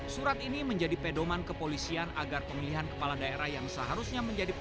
surat ini menjadi pedoman kepolisian agar pemilihan kepala daerah yang seharusnya menjadi